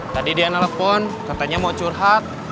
tadi dia nelfon katanya mau curhat